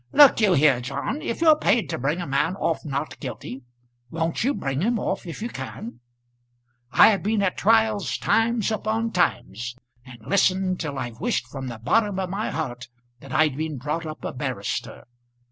Look you here, John; if you're paid to bring a man off not guilty, won't you bring him off if you can? I've been at trials times upon times, and listened till I've wished from the bottom of my heart that I'd been brought up a barrister.